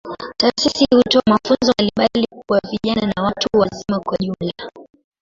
Taasisi hii hutoa mafunzo mbalimbali kwa vijana na watu wazima kwa ujumla.